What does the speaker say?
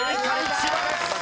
「千葉」です］